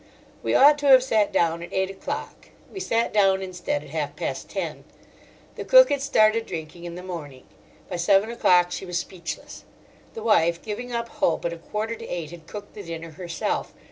We ought to have sat down at eight o'clock; we sat down instead at half past ten. The cook had started drinking in the morning; by seven o'clock she was speechless. The wife, giving up hope at a quarter to eight, had cooked the dinner herself.